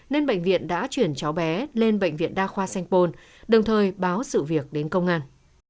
nên bệnh viện đã chuyển cháu bé lên bệnh viện đa khoa sanh pôn đồng thời báo sự việc đến công an